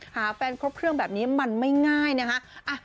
หาแฟนครบเครื่องแบบนี้มันไม่ง่ายนะคะ